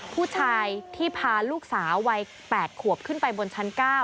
ผู้ชายที่พาลูกสาววัย๘ขวบขึ้นไปบนชั้น๙